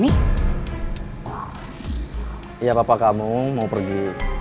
iya bapak kamu mau pergi